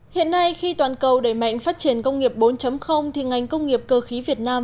hiện nay khi toàn cầu đẩy mạnh phát triển công nghiệp bốn thì ngành công nghiệp cơ khí việt nam